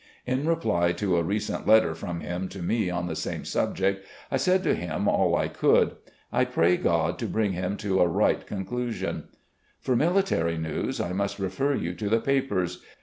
In reply to a recent letter from him to me on the same subject, I said to him all I could. I pray God to bring him to a right conclusion. ... For military news, I must refer you to the papers.